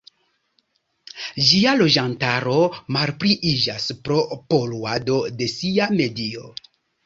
Ĝia loĝantaro malpliiĝas pro poluado de sia medio.